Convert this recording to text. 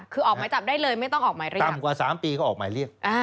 คือออกหมายจับได้เลยไม่ต้องออกหมายเรียก